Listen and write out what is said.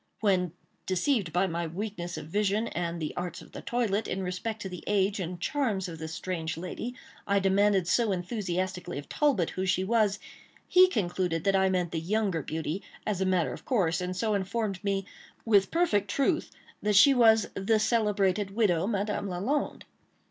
When, deceived by my weakness of vision, and the arts of the toilet, in respect to the age and charms of the strange lady, I demanded so enthusiastically of Talbot who she was, he concluded that I meant the younger beauty, as a matter of course, and so informed me, with perfect truth, that she was "the celebrated widow, Madame Lalande."